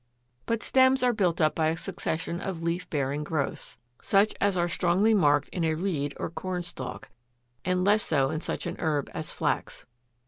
But stems are built up by a succession of leaf bearing growths, such as are strongly marked in a reed or corn stalk, and less so in such an herb as Flax.